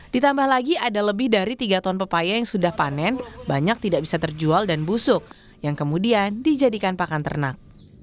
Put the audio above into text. ditambah lagi ada lebih dari tiga ton pepaya yang sudah panen banyak tidak bisa terjual dan busuk yang kemudian dijadikan pakan ternak